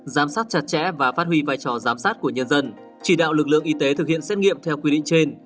giám sát chặt chẽ và phát huy vai trò giám sát của nhân dân chỉ đạo lực lượng y tế thực hiện xét nghiệm theo quy định trên